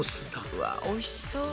うわおいしそう。